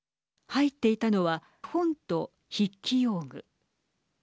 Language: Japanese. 入っていたのは本と筆記用具。